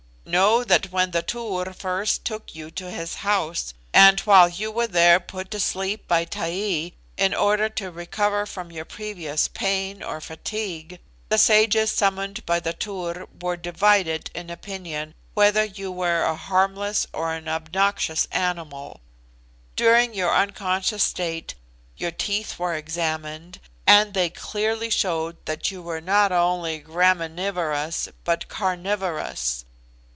Know that when the Tur first took you to his house, and while you were there put to sleep by Taee in order to recover from your previous pain or fatigue, the sages summoned by the Tur were divided in opinion whether you were a harmless or an obnoxious animal. During your unconscious state your teeth were examined, and they clearly showed that you were not only graminivorous but carnivorous.